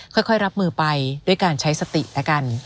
ค่อยรับมือไปด้วยการใช้สติแล้วกัน